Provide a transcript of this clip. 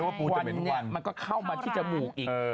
ควันมันก็เข้ามาที่จมูกอีก